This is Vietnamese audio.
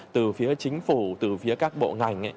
từ phía chính phủ từ phía các bộ ngành